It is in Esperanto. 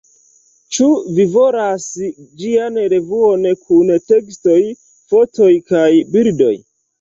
Ĉu vi volas ĝian revuon kun tekstoj, fotoj kaj bildoj?